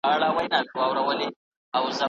پيسې د خدمت په بدل کي اخيستل کيږي.